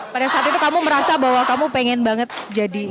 pada saat itu kamu merasa bahwa kamu pengen banget jadi